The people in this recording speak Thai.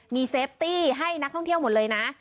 มีประสบคุตละครแบบปลอบให้นักท่องเที่ยวหมดเลยนะ